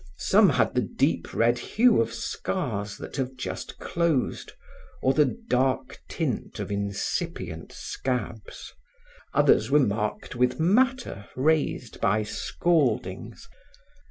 Some had the deep red hue of scars that have just closed or the dark tint of incipient scabs. Others were marked with matter raised by scaldings.